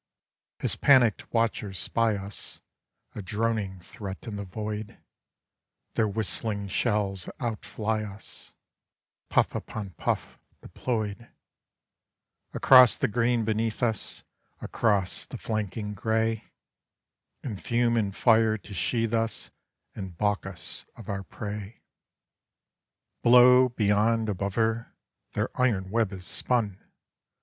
His panicked watchers spy us, a droning threat in the void; Their whistling shells outfly us puff upon puff, deployed Across the green beneath us, across the flanking grey, In fume and fire to sheathe us and balk us of our prey. Below, beyond, above her, Their iron web is spun!